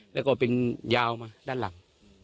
แล้วก็เป็นยาวมาด้านหลัง